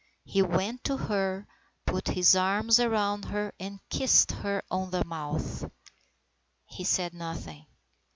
He went to her, put his arms around her and kissed her on the mouth. He said nothing.